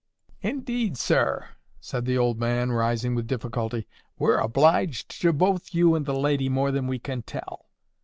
"Indeed, sir," said the old man, rising with difficulty, "we're obliged both to you and the lady more than we can tell.